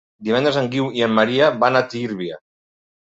Divendres en Guiu i en Maria van a Tírvia.